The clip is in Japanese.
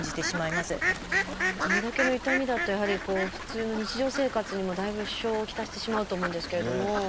あれだけの痛みだとやはり普通の日常生活にもだいぶ支障を来してしまうと思うんですけれども。